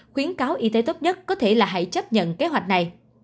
khuyến cáo y tế tốt nhất có thể là hãy chấp nhận kế hoạch này